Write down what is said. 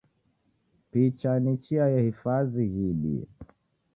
Picha ni chia yehifazi ghiidie